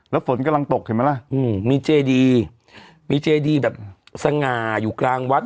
แล้วฝนกำลังตกเห็นไหมล่ะมีเจดีมีเจดีแบบสง่าอยู่กลางวัด